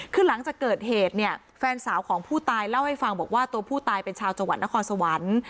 คือหลังจากเกิดเหตุเนี่ยแฟนสาวของผู้ตายเล่าให้ฟังบอกว่าตัวผู้ตายเป็นชาวจังหวัดนครสวรรค์